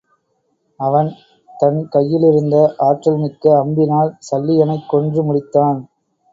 அவன் தன் கையிலிருந்த ஆற்றல் மிக்க அம்பினால் சல்லியனைக் கொன்று முடித்தான்.